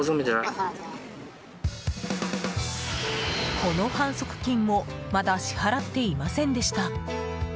この反則金もまだ支払っていませんでした。